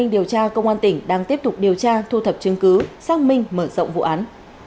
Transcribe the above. điều tra công an tỉnh đang tiếp tục điều tra thu thập chứng cứ xác minh mở rộng vụ án